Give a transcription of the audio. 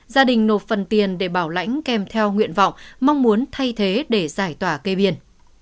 gia đình nộp phần tiền để bảo lãnh kèm theo nguyện vọng mong muốn thay thế để giải tỏa cây biên